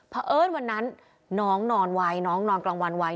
เพราะเอิ้นวันนั้นน้องนอนไวน้องนอนกลางวันไว้